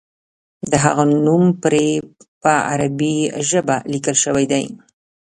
د هغه نوم پرې په عربي ژبه لیکل شوی دی.